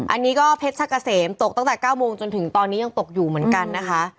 อันนี้ก็เพชรชะกะเสมตกตั้งแต่๙โมงจนถึงตอนนี้ยังตกอยู่เหมือนกันนะคะ